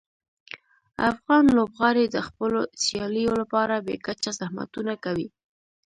افغان لوبغاړي د خپلو سیالیو لپاره بې کچه زحمتونه کوي.